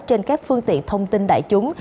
trên các phương tiện thông tin đại chúng